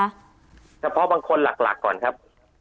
เฉพาะบางคนหลักก่อนครับ